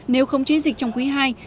nếu không chế dịch trong quý ii